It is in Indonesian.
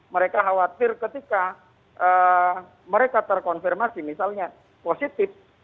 mereka khawatir ketika mereka terkonfirmasi misalnya positif